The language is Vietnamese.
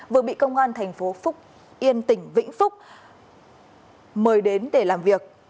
vừa bị công an tp phúc yên tỉnh vĩnh phúc mời đến để làm việc